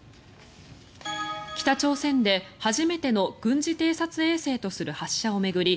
北朝鮮で初めての軍事偵察衛星とする発射を巡り